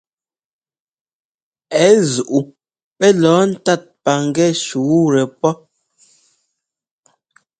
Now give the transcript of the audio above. Ɛ zuʼu pɛ́ lɔɔ ńtat paŋgɛ́ shǔtɛ pɔ́.